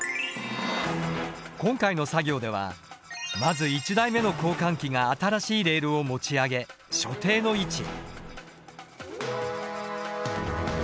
今回の作業ではまず１台目の交換機が新しいレールを持ち上げ所定の位置へ。